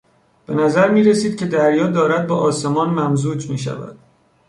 به نظر میرسید که دریا دارد با آسمان ممزوج میشود.